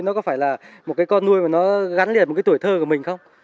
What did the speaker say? nó có phải là một con nuôi mà nó gắn liền với tuổi thơ của mình không